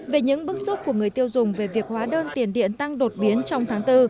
về những bức xúc của người tiêu dùng về việc hóa đơn tiền điện tăng đột biến trong tháng bốn